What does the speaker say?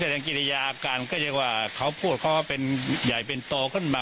แสดงกิริยาอาการก็เรียกว่าเขาพูดเขาก็เป็นใหญ่เป็นโตขึ้นมา